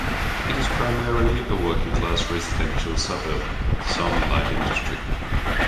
It is primarily a working class residential suburb with some light industry.